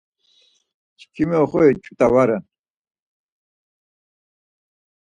Çkimi oxori ç̌ut̆a var ren.